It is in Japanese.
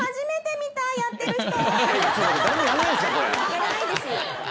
やらないです。